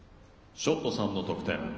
ショットさんの得点。